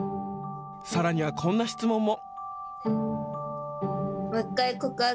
さらには、こんな質問も。